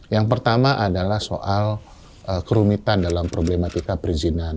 yang pertama adalah soal kerumitan dalam problematika perizinan